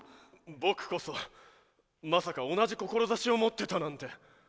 僕こそまさか同じ志を持ってたなんて。